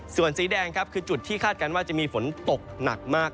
ส่วนสีแดงครับคือจุดที่คาดการณ์ว่าจะมีฝนตกหนักมาก